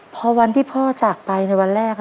พอวันที่พ่อจากไปในวันแรก